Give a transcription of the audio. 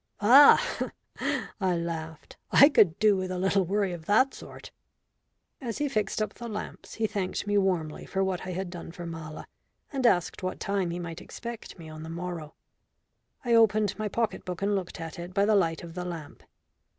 "Ah!" I laughed. "I could do with a little worry of that sort." As he fixed up the lamps he thanked me warmly for what I had done for Mala, and asked what time he might expect me on the morrow. I opened my pocket book and looked at it by the light of the lamp.